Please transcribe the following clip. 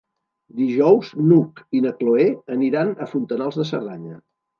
Dijous n'Hug i na Cloè aniran a Fontanals de Cerdanya.